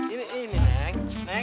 ini ini neng